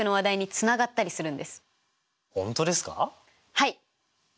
はい！